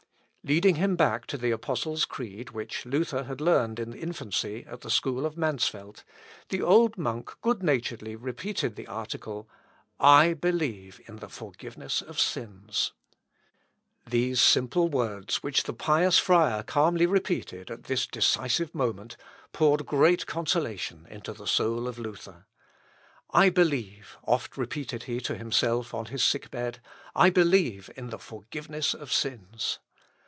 Leading him back to the Apostles' Creed, which Luther had learned in infancy at the school of Mansfield, the old monk good naturedly repeated the article, "I believe in the forgiveness of sins." These simple words, which the pious friar calmly repeated at this decisive moment, poured great consolation into the soul of Luther. "I believe," oft repeated he to himself on his sick bed, "I believe in the forgiveness of sins."